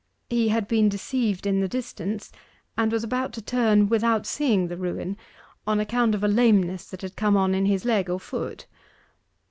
He had been deceived in the distance, and was about to turn without seeing the ruin, on account of a lameness that had come on in his leg or foot.